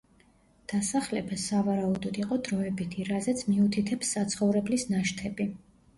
დასახლება, სავარაუდოდ იყო დროებითი, რაზეც მიუთითებს საცხოვრებლის ნაშთები.